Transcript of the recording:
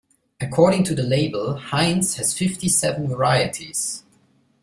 According to the label, Heinz has fifty-seven varieties